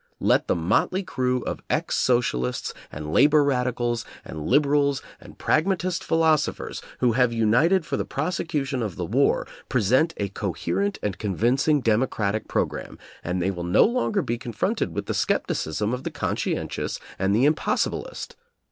Let the motley crew of ex socialists, and labor radicals, and liberals and pragmatist philosophers, who have united for the prosecution of the war, present a coherent and convincing democratic programme, and they will no longer be confronted with the skepticism of the conscientious and the impossibilist.